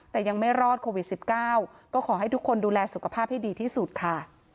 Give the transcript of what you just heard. แต่ยังไม่รอดโควิด๑๙ก็ขอให้ทุกคนดูแลสุขภาพให้ดีที่สุดค่ะ